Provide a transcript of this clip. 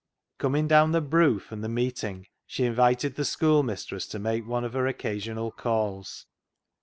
Coming down the " broo " from the meeting, she invited the schoolmistress to make one of her occasional calls.